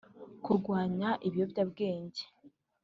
kurwanya ibiyobyabwenge